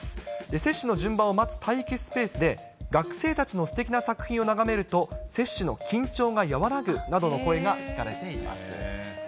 接種の順番を待つ待機スペースで、学生たちのすてきな作品を眺めると、接種の緊張が和らぐなどの声が聞かれています。